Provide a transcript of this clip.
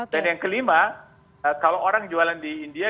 dan yang kelima kalau orang jualan di india